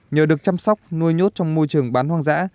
nhờ được chăm sóc nuôi nhốt trong môi trường bán hoang dã